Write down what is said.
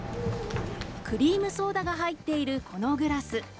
クリームソーダが入っているこのグラス。